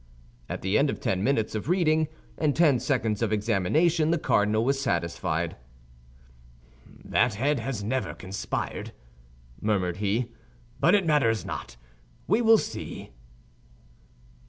At the end of ten minutes of reading and ten seconds of examination, the cardinal was satisfied. "That head has never conspired," murmured he, "but it matters not; we will see."